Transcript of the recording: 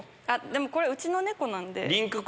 でもこれうちの猫なんで。